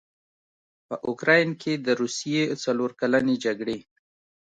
په اوکراین کې د روسیې څلورکلنې جګړې